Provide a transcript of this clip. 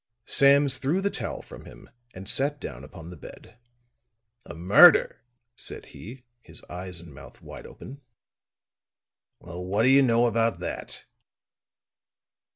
Sams threw the towel from him and sat down upon the bed. "A murder!" said he, his eyes and mouth wide open. "Well, what do you know about that."